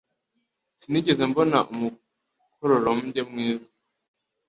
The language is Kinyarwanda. Sinigeze mbona umukororombya mwiza.